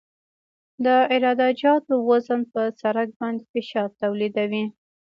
د عراده جاتو وزن په سرک باندې فشار تولیدوي